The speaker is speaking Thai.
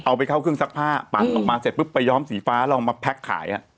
เอาไปเข้าเครื่องซักผ้าปั่นออกมาเสร็จปุ๊บไปย้อมสีฟ้าลองมาแพ็คขาย